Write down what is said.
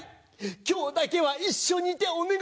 今日だけは一緒にいてお願い。